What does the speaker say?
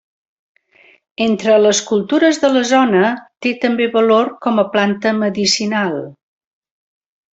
Entre les cultures de la zona té també valor com a planta medicinal.